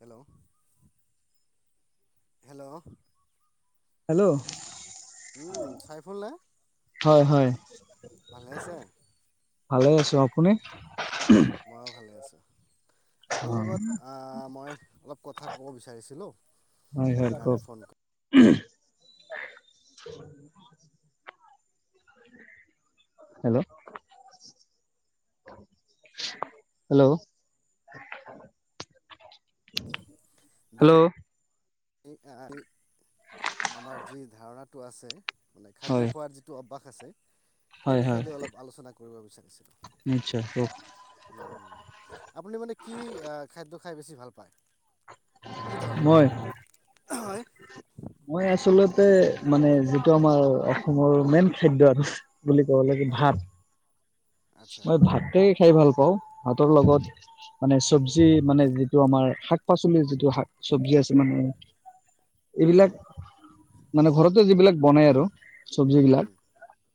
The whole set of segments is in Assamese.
Hello, hello. হেল্ল'। উ, খাই হ'লনে? হয়, হয়। ভালে আছে? ভালে আছোঁ, আপুনি? ময়ো ভালে আছোঁ। আপোনাৰ লগত অ', মই অলপ কথা ক'ব বিচাৰিছিলোঁ, হয় হয় সেইকাৰণে কওক ফোন [inaudible] হেল্ল', হেল্ল'। হেল্ল'। এ, আন আমাৰ যি ধাৰণাটো আছে। মানে খাদ্য হয় খোৱাৰ যিটো অব্যাস। আছে। সেই হয় বিষয় হয় লৈ অলপ আলোচনা কৰিব বিচাৰিছিল? নিশ্চয় কওক [unintelligible] আপুনি মানে কি অ'! খাদ্য খায় বেছি ভাল পায়? কি ধৰণৰ? মই হয়! মই আচলতে মানে, যিটো আমাৰ অসমৰ মেইন খাদ্য আৰু বুলি ক'ব লাগিব হা ভাত। আচ্ছা মই ভাতেই খাই ভাল পাওঁ। ভাতৰ লগত মানে, চবজি মানে, যিটো আমাৰ শাক পাচলিৰ যিটো শাক চবজি আছে মানে। এইবিলাক মানে, ঘৰতে যিবিলাক বনাই আৰু চবজি বিলাক হুম,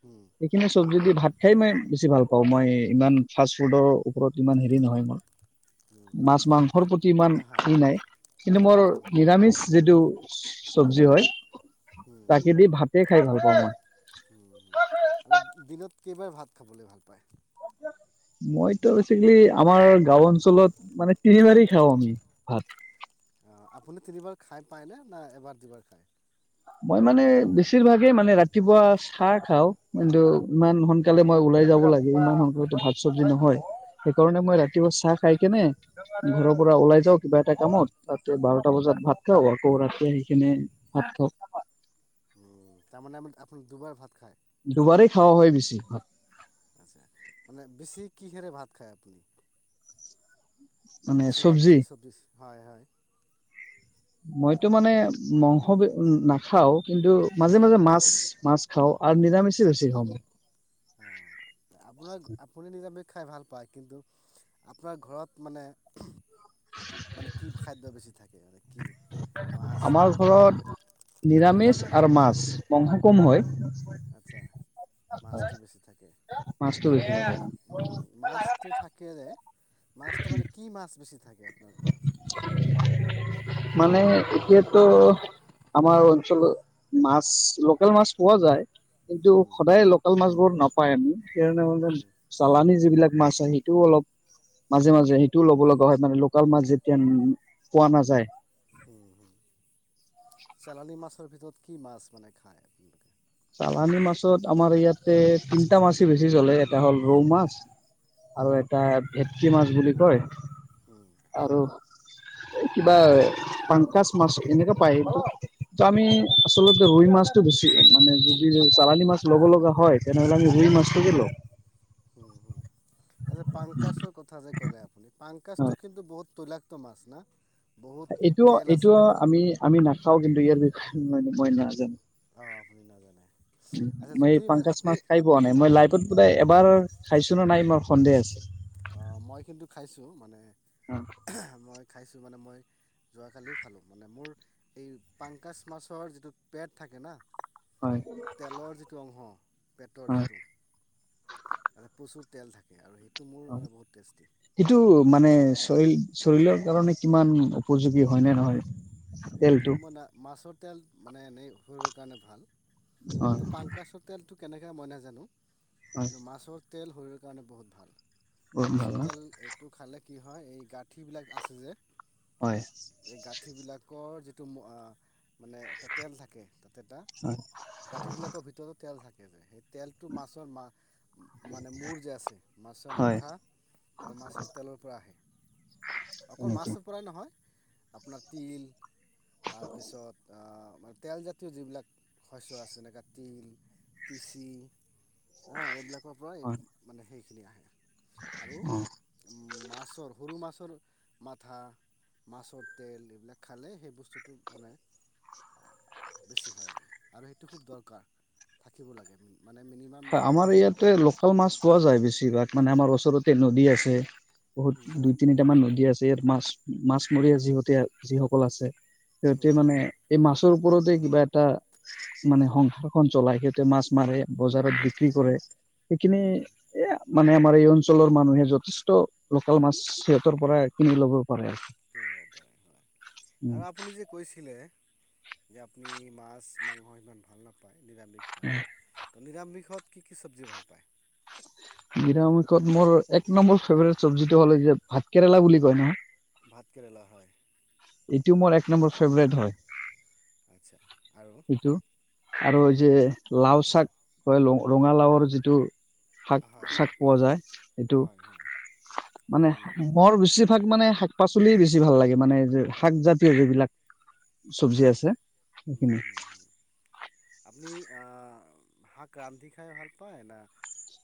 হুম, সেইখিনি চবজি দি ভাত খায় মই বেছি ভাল পাওঁ। অ'! মই ইমান ফাষ্ট ফুডৰ ওপৰত, ইমান হেৰি নহয় মই। হুম। মাছ মাংসৰ প্ৰতি ইমান আপ- হয় হৰি নাই। কিন্তু, মোৰ নিৰামিষ যিটো চবজি হয়। তাকেদি ভাত সেই খায় ভাল পাওঁ মই। [unintelligible] [unintelligible] ভাত খাবলে ভাল পায়? মই ত' বেছিকে দি আমাৰ গাঁৱৰ অঞ্চলত মানে, তিনি বাৰে খাওঁ আমি ভাত। অঁ আপুনি তিনিবাৰ খায় পায়নে? নে এবাৰ দুবাৰ খায়? মই মানে, বেছিভাগেই মানে ৰাতিপুৱা চাহ খাওঁ কিন্তু, ইমান শুনকালে ওলাই যাব লাগে। ইমান শুনকালে ত' ভাত চবজি নহয়। সেইকাৰণে, মই ৰাতিপুৱা চাহ খাই কেনে ঘৰৰ পৰা ওলাই যাওঁ কিবা এটা কামত। তাতে বাৰটা বজাত ভাত খাওঁ। আকৌ ৰাতি আহি কেনে ভাত খাওঁ। তাৰমানে আপুনি দুবাৰ ভাত খায়? দুবাৰেই খোৱা হয়, বেছি ভাগ। মানে, বেছি কিহেৰে ভাত খায় আপুনি? মানে বেছিভাগ চব্জি কি চবজি? হয়, হয়। মইতো মানে, মাংস নাখাওঁ। কিন্তু, মাজে, মাজে মাছ মাছ খাওঁ আৰু নিৰামিষ বেছি খাওঁ মই। অ'! আপোনাৰ আপুনি নিৰামিষ খাই ভাল পায়। কিন্তু, আপোনাৰ ঘৰত মানে, মানে কি খাদ্য বেছি থাকে? কি মাছ আমাৰ মাংস নে ঘৰত নিৰামিষ আৰু মাছ মাংস কম হয়। [unintelligible] আচ্ছা, মাছটো বেছি থাকে? মাছটো বেছি উম, উম, মাছটো [unintelligible] থাকে যে মাছটো মানে কি মাছ বেছি থাকে আপোনাৰ ঘৰত? মানে এতিয়াতো আমাৰ অঞ্চলত মাছ, লোকেল মাছ পোৱা যায়। কিন্তু সদায় লোকেল মাছ বোৰ নাপায় [unintelligible] সেইকাৰণে মানে চালানি যিবিলাক [unintelligible] সিটোও অলপ মাজে মাজে সেইটোও ল'ব লগা হয়। মানে লোকেল মাছ যে তে পোৱা নাযায়। হম, হম। চালানি মাছৰ ভিতৰত কি মাছ মানে খায় আপোনালোকে? চালানি মাছত আমাৰ ইয়াতে তিনটা মাছেই বেছি চলে এটা হ'ল ৰৌ মাছ আৰু এটা ভেটকী মাছ বুলি কয়। আৰু কিবা পাংকাচ মাছ এনেকাে পায় সেটো আমি আচলতে ৰই মাছটো বেছি মানে যদি চালানি মাছ ল'ব লগা হয়। তেনেহ'লে আমি [unintelligible] আ পাংকাচৰ কথা যে ক'লে আপুনি। পাংকাজটো হয় কিন্তু বহুত তুলাকটো মাছ না। বহুত এইটোও তেল আছে এইটো কিন্তু আমি আমি নাখাও কিন্তু ইয়াৰ বিষয়ে ন মই নাজানো। অ', আপুনি নাজানে। আচ্ছা মই যদি মানে পাংকাচ আপুনি মাছ খাই পোৱা নাই, মই হয় লাইফত বোধহয় এবাৰ খাইছোঁ না নাই মোৰ সন্দেহ আছে। অ', মই কিন্তু খাইছোঁ, মানে মই খাইছোঁ। সেটো মানে মই যোৱাকালিও খালোঁ মানে মোৰ এই পাংকাছ মাছৰ যিটো পেট থাকে না হয় হয় তেলৰ যিটো অংশ, পেটৰ হয় যিটো তাতে প্ৰচুৰ তেল থাকে আৰু সেই সেইটো মানে চ চৰীৰৰ কাৰণে কিমান উপযোগী হয় নে নহয়। এই তেলটো তোমানা মাছত তেল মানে এনেই শৰীৰৰ কাৰণে ভাল। হয় কিন্তু পাংকাচৰ তেলটো কেনেকা মই নাজানো। হয় কিন্তু মাছত তেল শৰীৰৰ কাৰণে বহুত ভাল। বহুত ভাল মাছুৰ ন তেল এইটো খালে কি হয় এই গাঁঠিবিলাক আছে যে হয়। অঁ জিটো ম আ মানে এটা তেল থাকে তেটা হয় গাঁঠিবিলাকৰ ভিতৰত তেল থাকে। [unintelligible] তেলটো মাছৰ মা মানে মূৰ যে আছে মাছৰ হয় মাথা আৰু মাছৰ তেলৰ পৰা আহে অকল তেনেকে মাছৰ পৰাই নহয় আপোনাৰ তিল তাৰপিছত আ তেলজাতীয় যিবিলাক শস্য আছে জেনেকা তিল, তিচি অ এইবিলাকৰ পৰাই হয় মানে সেই [unintelligible] আহে। আৰু অ মাছৰ সোৰো মাছ মছৰ মাথা মাছৰ তেল এইবিলাক খালে সেই বস্তুটো মানে বেছি হয় আৰু আৰু সেইটো খুব দৰকাৰ থাকিব লাগে মানে মিনিমাম হয় আমাৰ ইয়াতে লোকেল মাছ পোৱা যায় বেছি। বেছিভাগ মানে আমাৰ ওচৰতে নদী আছে। বহুত দুই তিনিটা মান নদী আছে ইয়াৰ ম মাছমৰীয়া যিহতীয়া যিসকল আছে সিহঁতে মানে এই মাছ ওপৰতে কিবা এটা মানে সংসাৰখন চলাই সিহঁতে মাছ মাৰে বজাৰত বিক্ৰী কৰে সিখিনি এ মানে আমাৰ এই অঞ্চলৰ মানুহে যথেষ্ট লোকেল মাছ সিহঁতৰ পৰা কিনি ল'ব পাৰে। কি হ পাৰে হয়। আৰু আপুনি যে কৈছিলে যে আপুনি মাছ মাংস ইমান ভাল নাপায়। নিৰামিষ ভাল পায় ত' নিৰামিষত কি কি চবজি ভাল পায়? নিৰামিখত মোৰ এক নম্বৰ ফেভৰেট চবজিটো হ'ল এই যে ভাত কেৰেলা বুলি কয় নহয়। ভাতকেৰেলা, হয়। এইটো মোৰ এক নম্বৰ ফেভৰেট হয়। আচ্ছা, আৰু? এইটো আৰু যে লাও শাক কয়, ৰঙালাওৰ যিটো শাক হয় চাক হয় পোৱা যায়, সেইটো হয় হয় মানে উম বৰ বেছি মোক মানে শাক পাচলিয়ে বেছি ভাল লাগে মানে যে শাক জাতীয় যিবিলাক। চব্জি উম আছে, হুম সেইখিনি। হুম হুম আপুনি, শাক ৰান্ধি খাই ভাল পায়, না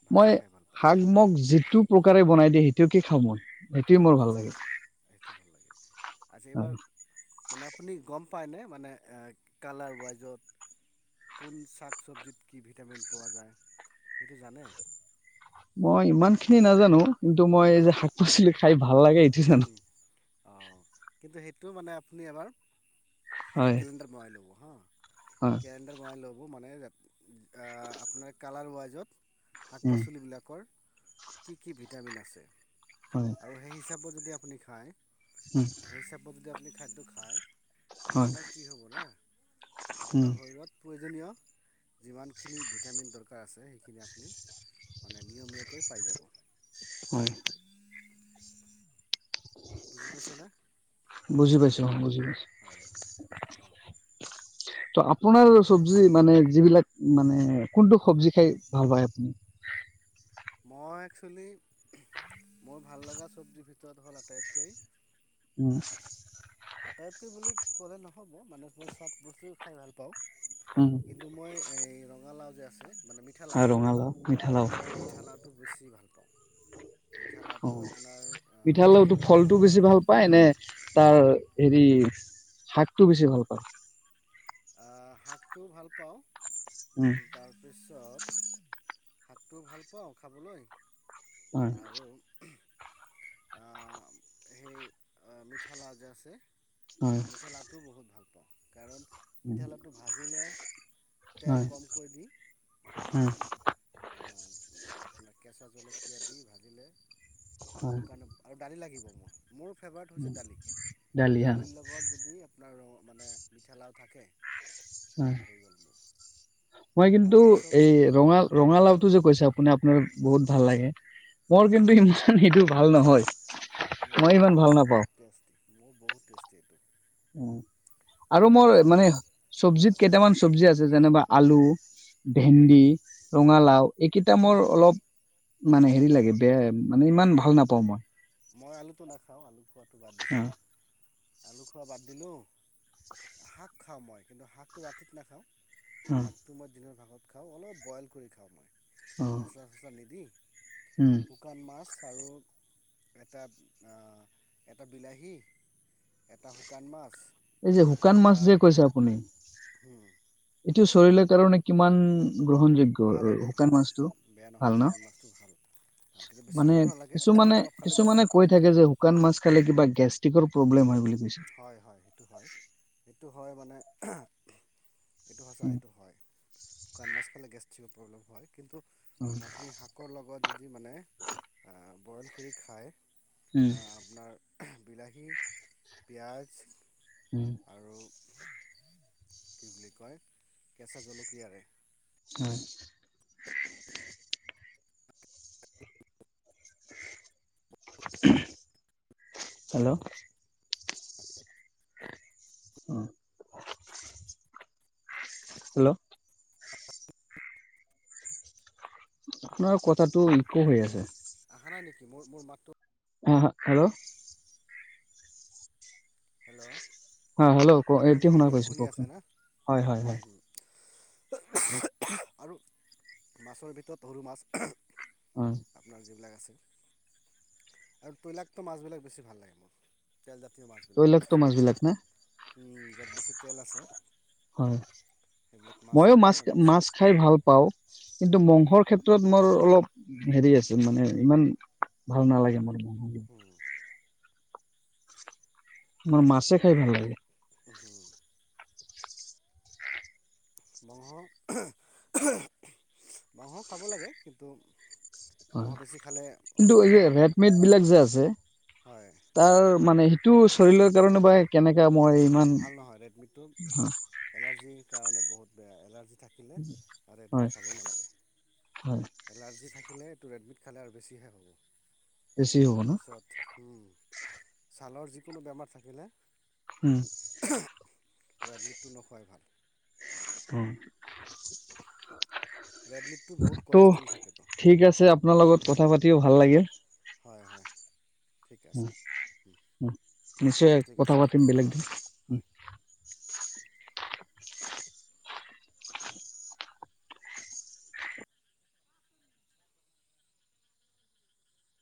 ভাজি মই খাই ভাল পায় শাক মোক যিটো প্ৰকাৰে বনাই দিয় সেইটো কে খাওঁ মই। সেইটোৱে মোৰ ভাল আচ্ছা, লাগে সেইটোৱে ভাল লাগে! আজি এইবাৰ, হয় মানে আপুনি গম পাইনে, মানে কালাৰ ৱাইজত কোন শাক চব্জিত কি ভিটামিন পোৱা যায়, সেইটো জানে? মই ইমান খিনি নাজানো। কিন্তু মই এই শাক পাচলি খাই ভাল লাগে এইটোৱে জানো। অ', কিন্তু সেইটো মানে আপুনি এবাৰ এটা হয় কেলেণ্ডাৰ বহাই ল'ব হা। হয় কেলেণ্ডাৰ বহাই লব মানে আ, আপোনাৰ কালাৰ ৱাইজত উম শাক-পাচলি বিলাকৰ কি কি ভিটামিন আছে? হয় আৰু সেই হিচাপ টো যদি আপুনি খায় উম সেই হিচাপত কে আপুনি সেটো খায় হয় আপোনাৰ কি হ'ব না, উম আপোনাৰ শৰীৰত পই প্ৰয়োজনীয় যিমানখিনি ভিটামিন দৰকাৰ আছে সেইখিনি আপুনি মানে নিয়মীয়াকৈ পাই যাব। হয়। বুজি পাইছেনে? অ', বুজি [inaudible] [inaudible] হয় হয় তো আপোনাৰ মানে চব্জি মানে যিবিলাক মানে কোনটো সব্জি খাই ভাল পায় আপুনি? মই একচুৱেলি মোৰ ভাল লগা চব্জিৰ ভিতৰত হ'ল আটাইতকৈ উম। আটাইতকৈ বুলি ক'লে নহ'ব মানে মই চব বস্তু খাই ভাল পাওঁ। উম, কিন্তু মই এ ৰঙালাও এ আছে। মিঠালাও, আৰু ৰঙালাও, মিঠালাও মিঠালাওটো বেছি ভাল পাওঁ, মিঠালাওটো অ'। আপোনাৰ মিঠালাওটো ভাজিলে ভাল ফলটো বেছি পাওঁ। পায় নে তাৰ হেৰি শাকটো বেছি ভাল পাওঁ। অহ, শাকটোও ভাল পাওঁ। উম, তাৰপিছত শাকটো ভাল পাওঁ খাবলৈ। হয়। অহ, সেই অ', মিঠালাও যে আছে। হয়, মিঠা লাভটোও বহুত ভাল পাওঁ। কাৰণ মিঠলাওটো ভাজিলে তেল হয়, কমকৈ দি হয়, ভাজিলে আপোনাৰ কেঁচা জলকীয়া দি ভাজিলে হয়, মোৰ কাৰণে আৰু দালি লাগিব। মোৰ মোৰ ফেভাৰেট হৈছে দালি দালি হা দালিৰ লগত যদি আপোনাৰ মানে মিঠালাও তাকে হয়। আৰু হৈ গ'ল মোৰ। মই কিন্তু আৰু চব এই ৰঙা-ৰঙালাও টো যে কৈছে আপুনি আপোনাৰ বহুত ভাল লাগে মোৰ কিন্তু ইমান সেটো ভাল নহয়। মই ইমান মোৰটো ভাল নাপাওঁ। বহুত টেষ্টি, মোৰ বহুত টেষ্টি এইটো। উম আৰু মোৰ মাছৰ মানে ভিত চব্জিত হয় কেইটামান চব্জি আছে যেনিবা আলু ভেণ্ডি ৰঙালাও এইকেইটা মোৰ অলপ মানে হেৰি লাগে বেয়া মানে ইমান ভাল নাপাওঁ মই। মই আলুটো নাখাওঁ আলু খোৱাটো বাদ অ দিছোঁ। আলু খোৱা বাদ দিলোঁ, শাক খাওঁ মই কিন্তু শাকটো ৰাতিত নাখাওঁ। অ শাকটো মাৰ দিনৰ ভাগত খাওঁ অলপ ব'ইল কৰি খাওঁ মই। অ মচলা চচলা নিদি উম শুকান মাছ। আৰু এটা, এটা বিলাহী এটা শুকান মাছ এই যে শুকান মাছ এটা যে কৈছে আপুনি এইটো শৰীৰৰ কাৰণে কিমান গ্ৰহণযোগ্য ভাল এইটো শুকান ভাল মাছতটো এইটো বেয়া ভাল নহয় ন শুকান মাছটো ভাল ভাল কিন্তু বেছি মানে খাব নালাগে কিছুমানে, অলপ খালে বেছি কিছুমানে কৈ থাকে মানে যে শুকান মাছ খালে কিবা। গেষ্ট্ৰিকৰ প্ৰব্লেম হয় বুলি কৈছে হয়, হয়। হয়। সেইটো হয় মানে। এইটো সঁচা উম এইটো হয় শুকান মাছ খালে গেছ থিক প্ৰব্লেম হয়। কিন্তু উম আপুনি শাকৰ লগত যদি মানে আ'। বইল কৰি খায়। উম আ, আপোনাৰ। বিলাহী। পিঁয়াজ। উম আৰু কি বুলি কয় কেঁচা জলকীয়াৰে? হয়। হেল্ল '। উ'ম, হেল্ল '। আপোনাৰ কথাটো ইকো হৈ আছে। আহা নাই নেকি? মোৰ মোৰ মাতটো। হা, হা হেলো। হেল্ল' হা, হেলো ক' শুনি এতিয়া শুনা শুনি পাইছোঁ শুনি আছে কওকচোন না হয়, হয়, হুম হয়। হুম। আৰু মাছৰ ভিতৰত সৰু মাছ। হয় আপোনাৰ যিবিলাক আছে। আৰু তৈলাক্ত মাছবিলাক বেছি ভাল লাগে মোৰ। তেলজাতীয় মাছবিলাক। তিলক্ত মাছ বিলাক না। উ'ম, য'ত বেছি তেল আছে। হয়। সেইবিলাক মইও খালে মাছ, মানে বেছি মাছ খাই ভাল পাওঁ। কিন্তু মংসৰ ক্ষেত্ৰত মোৰ অলপ হেৰি আছে। মানে ইমান ভাল নালাগে মোৰ ইমান। [unintelligible] মোৰ মাছে খাই ভাল লাগে। হুম। মংহ, মংহ খাব লাগে কিন্তু। হয়। মঙহ বেছি খালে কিন্তু অসুবিধা এইযে হয় ৰেডমিড বিলাক যে আছে। হয় তাৰ মানে সি টো চহিলৰ কাৰণে বাহে কেনেকা। মই ইমান ভাল নহয় ৰেড মিটটো এলাৰ্জিৰ কাৰণে। বহুত বেয়া, এলাৰ্জি থাকিলে [unintelligible] হয় খাবয়ে নালাগে। হয় এলাৰ্জি থাকিলে টো ৰেডমিট খালে আৰু বেছিহে হ'ব। বেছি হ'ব ন তাৰপিছত, উম। ছালৰ যি কোনো বেমাৰ থাকিলে। উম [unintelligible] ৰেডমিটটো নোখোৱাই ভাল। ৰেড মিটটোত বহুত [inaudible] ত' কলেষ্ট্ৰল থাকেতো ঠিক আছে, আপোনাৰ লগত কথা পাতিও ভাল লাগিল। হয়, হয়। ঠিক আছে নিশ্চয় ঠিক আছে কথা পাতিম ৰাখিলোঁ বেলেগ দিন, হম। হয় [inaudible]